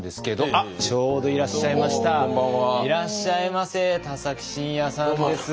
いらっしゃいませ田崎真也さんです。